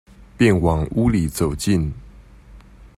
便往屋裡走進